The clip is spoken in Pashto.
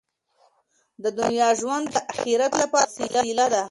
د دنیا ژوند د اخرت لپاره وسیله ده.